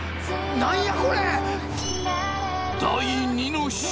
何やこれ！？